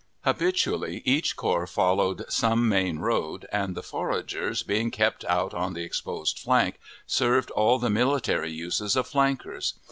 Habitually each corps followed some main road, and the foragers, being kept out on the exposed flank, served all the military uses of flankers.